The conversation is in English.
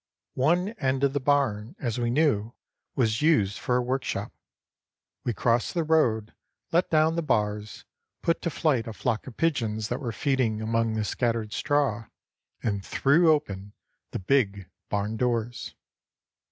One end of the barn, as we knew, was used for a workshop. We crossed the road, let down the bars, put to flight a flock of pigeons that were feeding among the scattered straw, and threw open the big barn doors.